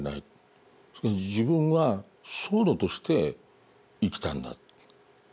しかし自分は僧侶として生きたんだ。